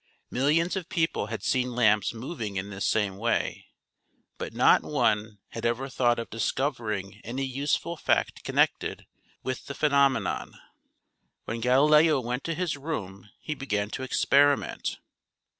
Millions of people had seen lamps moving in this same way, but not one had ever thought of discovering any useful fact connected with the phenomenon. When Galileo went to his room he began to experiment.